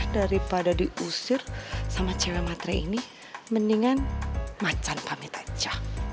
daripada diusir sama cewek matre ini mendingan macan pamit aja